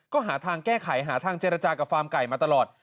ก็หาทางแก้ไขหาทางเจรจากับฟาร์มไก่มาตลอด